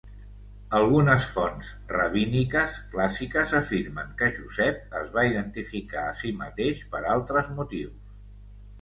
Algunes fonts rabíniques clàssiques afirmen que Josep es va identificar a si mateix per altres motius.